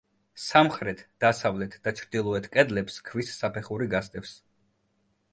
სამხრეთ, დასავლეთ და ჩრდილოეთ კედლებს ქვის საფეხური გასდევს.